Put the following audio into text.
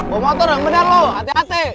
bawa motor yang bener lo hati hati